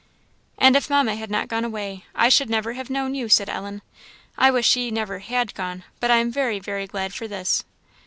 "And if Mamma had not gone away, I should never have known you," said Ellen. "I wish she never had gone, but I am very, very glad for this!"